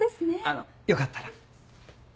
あのよかったら。